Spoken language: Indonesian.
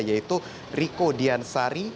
yaitu riko diansari